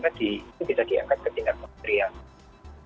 itu bisa diangkat ke tindak pemerintah